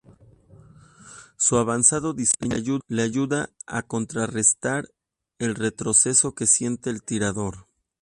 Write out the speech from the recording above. Su avanzado diseño le ayuda a contrarrestar el retroceso que siente el tirador.